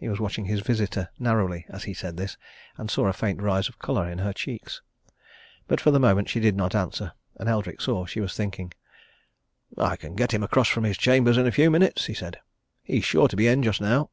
He was watching his visitor narrowly as he said this, and he saw a faint rise of colour in her cheeks. But for the moment she did not answer, and Eldrick saw that she was thinking. "I can get him across from his chambers in a few minutes," he said. "He's sure to be in just now."